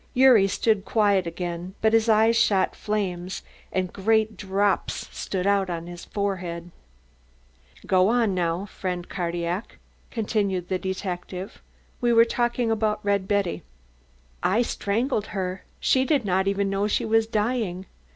Gyuri stood quiet again but his eyes shot flames and great drops stood out on his forehead. "Now go on, friend Cardillac," continued the detective. "We were talking about Red Betty." "I strangled her. She did not even know she was dying.